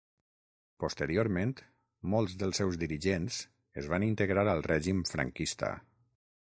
Posteriorment molts dels seus dirigents es van integrar al règim franquista.